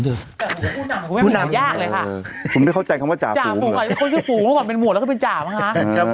คุณหนังก็ไม่มีอะไรยากเลยค่ะคุณไม่เข้าใจคำว่าจ่าฝูงเลยจ่าฝูงก็คือฝูงเมื่อก่อนเป็นหมวดแล้วก็เป็นจ่าบ้างครับ